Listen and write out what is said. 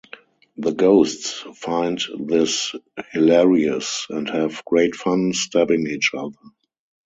The Ghosts find this hilarious, and have great fun stabbing each other.